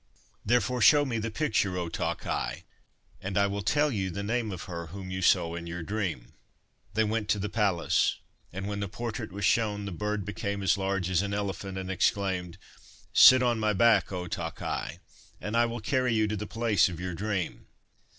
Therefore show me the picture, O Ta Khai, and I will tell you the name of her whom you saw in your dream.' They went to the palace, and, when the portrait was shown, the bird became as large as an elephant, and exclaimed, ' Sit on my back, O Ta Khai, and I will carry you to the place of your dream.